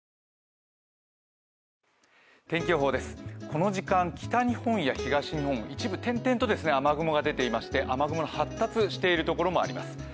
この時間、北日本や東日本、一部点々と雨雲が出ていまして、雨雲の発達しているところがあります。